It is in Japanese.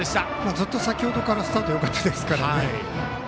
ずっと先程からスタート、よかったですからね。